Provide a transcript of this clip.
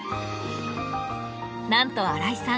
なんと荒井さん